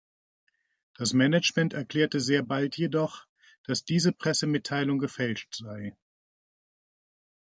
Das Management erklärte sehr bald jedoch, dass diese Pressemitteilung gefälscht sei.